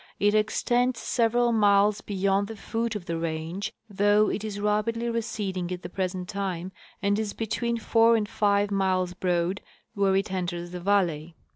It extends several miles be yond the foot of the range, though it is rapidly receding at the present time, and is between four and five miles broad where it enters the valley.